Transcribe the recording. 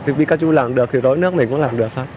thì pikachu làm được thì rối nước mình cũng làm được thôi